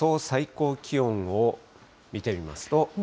最高気温を見てみます